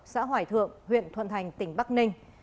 xã hỏi thượng huyện thuận thành tỉnh bắc ninh